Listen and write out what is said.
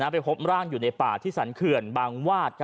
ไปพบร่างอยู่ในป่าที่สรรเขื่อนบางวาด